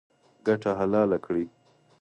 ګټه حلاله کړئ